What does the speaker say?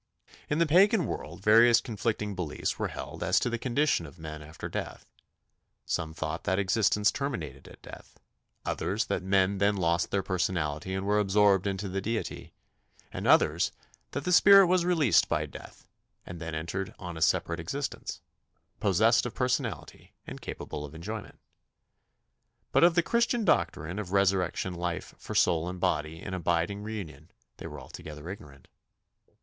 In the Pagan world various conflicting beliefs were held as to the condition of men after death. Some thought that existence terminated at death; others that men then lost their personality and were absorbed into the deity; and others that the spirit was released by death and then entered on a separate existence, possessed of personality and capable of enjoyment; but of the Christian doctrine of resurrection life for soul and body in abiding reunion they were altogether ignorant.